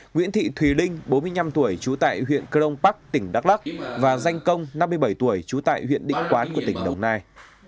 nguyễn thị thùy linh bốn mươi năm tuổi chú tại huyện cơ đông bắc tỉnh đắk lắk và danh công năm mươi bảy tuổi chú tại huyện định quán của tỉnh đồng nai